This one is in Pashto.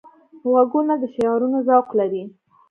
غوږونه د شعرونو ذوق لري